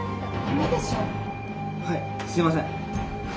はいすいません。